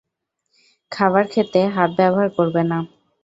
খাবার খেতে হাত ব্যবহার করবে না।